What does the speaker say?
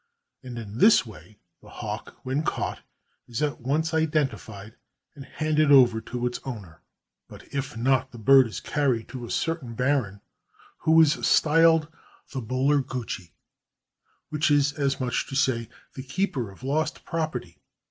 And in this way the hawk, when caught, is at once identified and handed over to its owner. But if not, the bird is carried to a certain baron, who is styled the bularguchi, which is as much as to say, ''the keeper of lost property."